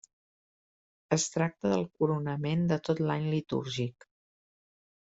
Es tracta del coronament de tot l'any litúrgic.